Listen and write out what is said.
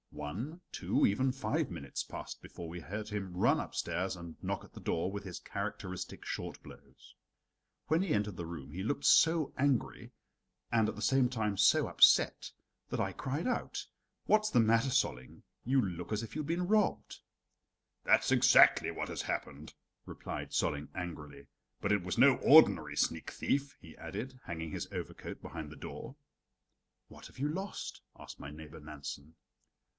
One, two, even five minutes passed before we heard him run upstairs and knock at the door with his characteristic short blows. When he entered the room he looked so angry and at the same time so upset that I cried out: "What's the matter, Solling? You look as if you had been robbed." "That's exactly what has happened," replied Solling angrily. "But it was no ordinary sneak thief," he added, hanging his overcoat behind the door. "What have you lost?" asked my neighbor Nansen.